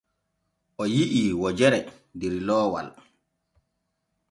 O yi’i wojere der looŋal.